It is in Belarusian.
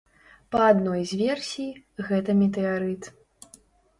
Па адной з версій, гэта метэарыт.